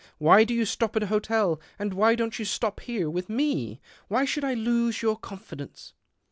Why do you stop at a hotel, and why don't you stop here with me? Why should I lose your confidence